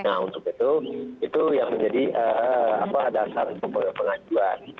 nah untuk itu itu yang menjadi dasar pengaduan